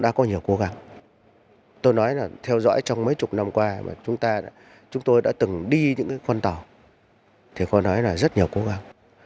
đã có nhiều cố gắng tôi nói là theo dõi trong mấy chục năm qua chúng tôi đã từng đi những con tàu thì có nói là rất nhiều cố gắng